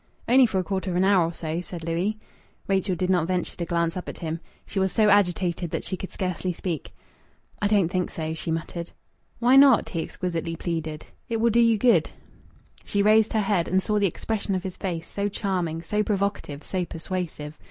"Only for a quarter of an hour or so," said Louis. Rachel did not venture to glance up at him. She was so agitated that she could scarcely speak. "I don't think so," she muttered. "Why not?" he exquisitely pleaded. "It will do you good." She raised her head and saw the expression of his face, so charming, so provocative, so persuasive.